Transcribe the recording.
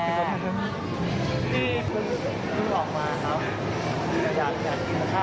คุณออกมาครับ